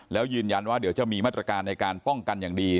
แล้วยืนยันว่าเดี๋ยวจะมีมาตรการในการป้องกันอย่างดี